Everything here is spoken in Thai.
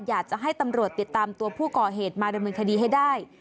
อยากจะให้ตำรวจติดตามตัวผู้ก่อเหตุมาดำเนินคดีให้ได้